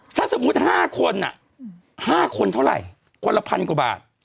ถ้าสมมุติ๕คน๕คนเท่าไหร่คนละพันกว่าบาท